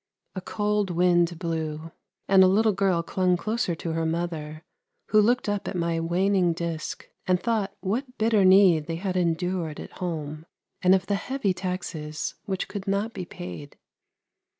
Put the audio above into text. A cold wind blew, and a little girl clung closer to her mother, who looked up at my waning disc, and thought what bitter need they had endured at home, and of the heavy taxes which could not be paid.